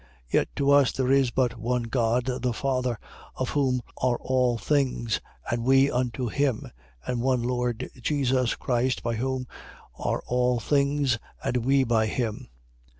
Yet to us there is but one God, the Father, of whom are all things, and we unto him: and one Lord Jesus Christ, by whom are all things, and we by him.